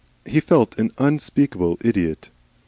He felt an unspeakable idiot.